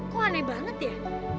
kok aneh banget ya